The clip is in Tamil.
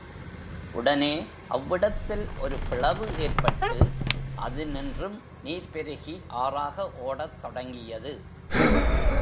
உடனே அவ்விடத்தில் ஒரு பிளவு ஏற்பட்டு அதனின்றும் நீர் பெருகி ஆறாக ஓடத் தொடங்கியது.